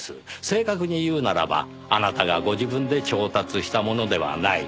正確に言うならばあなたがご自分で調達したものではない。